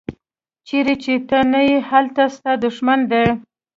چیرې چې ته نه یې هلته ستا دوښمن دی.